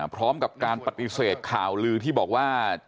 พร้อมกับการปฏิเสธข่าวลือที่บอกว่า